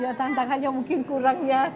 ya tantangannya mungkin kurangnya tenaga